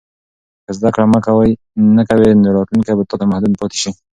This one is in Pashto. که زده کړه مه کوې، نو راتلونکی به تا ته محدود پاتې شي.